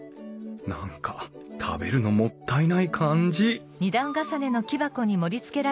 何か食べるのもったいない感じ